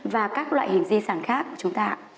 và các loại hình di sản khác của chúng ta